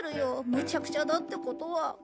むちゃくちゃだってことは。